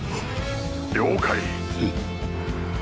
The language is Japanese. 了解！